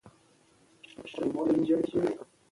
راشد خان د نړۍ له غوره بالرانو څخه دئ.